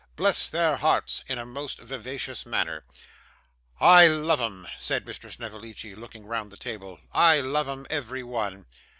Bless their hearts!' in a most vivacious manner. 'I love 'em,' said Mr. Snevellicci, looking round the table, 'I love 'em, every one.